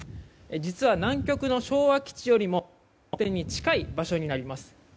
実は、南極の昭和基地よりも北極点に近い場所になります。